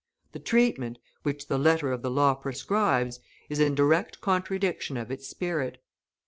The treatment, which the letter of the law prescribes, is in direct contradiction of its spirit.